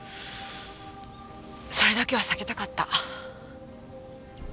それだけは避けたかった。